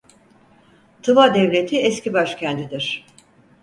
Tıva Devleti eski başkentidir.